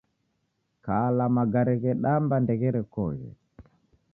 Kala magare ghedamba ndegherekoghe.